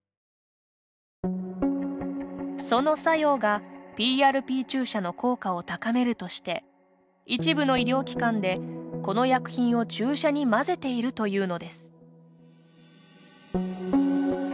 その作用がＰＲＰ注射の効果を高めるとして一部の医療機関で、この薬品を注射に混ぜているというのです。